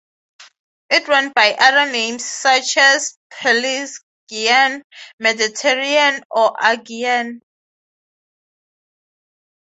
It went by other names, such as "Pelasgian", "Mediterranean", or "Aegean".